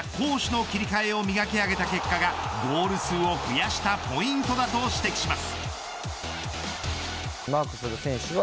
しかし大会後、自陣から攻守の切り替えを磨き上げた結果がゴール数を増やしたポイントだと指摘します。